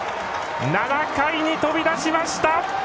７回に飛び出しました！